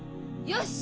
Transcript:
よし！